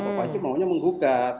pak panji maunya menggugat